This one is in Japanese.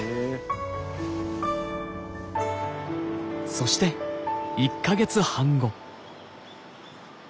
そして１か月半後。